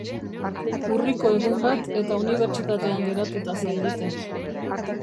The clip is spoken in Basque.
Urriko egun bat eta unibertsitatean geratuta zaudete.